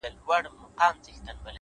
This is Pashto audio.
اخلاص د عمل روح دی’